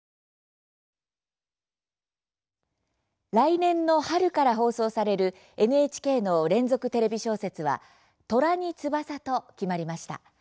来年の春から放送されるＮＨＫの連続テレビ小説は「虎に翼」と決まりました。